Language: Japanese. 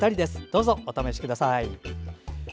どうぞお試しください。